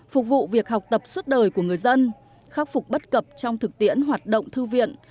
phục vụ việc học tập suốt đời của người dân khắc phục bất cập trong thực tiễn hoạt động thư viện